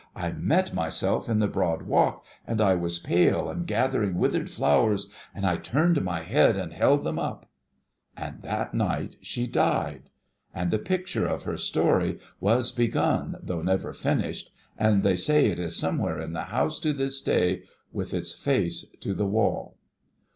I met myself in the broad walk, and I was pale and gathering withered flowers, and I turned my head, and held them up !' And, that night, she died ; and a picture of her 14 A CHRISTiMAS TREE story was begun, though never finished, and they say it is some where in the house to this day, with its face to the wall.